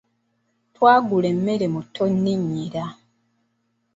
Twagula emmere mu tonninnyira.